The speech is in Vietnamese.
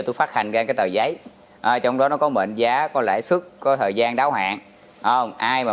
tôi phát hành ra cái tờ giấy trong đó nó có mệnh giá có lãi sức có thời gian đáo hạn ai mà